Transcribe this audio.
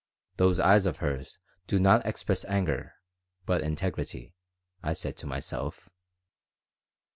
"Those eyes of hers do not express anger, but integrity," I said to myself.